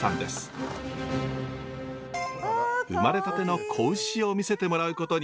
生まれたての子牛を見せてもらうことに。